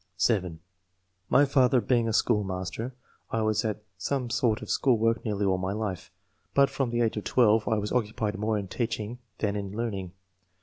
(7) " My father being a schoolmaster, I was at some sort of school work nearly all my life, but from the age of 12 I was occupied more in teaching than in learning.